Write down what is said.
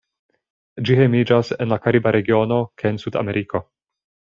Ĝi hejmiĝas en la kariba regiono kaj en Sudameriko.